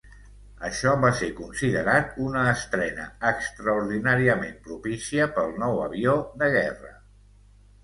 Això va ser considerat una estrena extraordinàriament propícia pel nou avió de guerra.